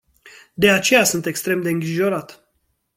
De aceea sunt extrem de îngrijorat.